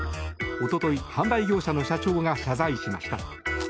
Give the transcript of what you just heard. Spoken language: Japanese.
おととい、販売業者の社長が謝罪しました。